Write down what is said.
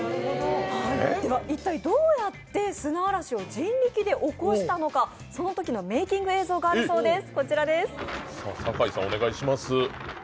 では一体どうやって砂嵐を人力で起こしたのかそのときのメーキング映像があるそうです。